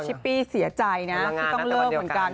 ปี้เสียใจนะที่ต้องเลิกเหมือนกัน